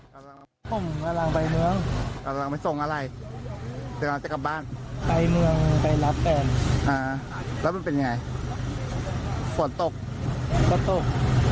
กาญจนบุรีพ่ออยู่ไหนสวนตกก็ตก